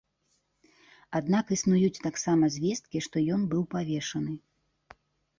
Аднак існуюць таксама звесткі, што ён быў павешаны.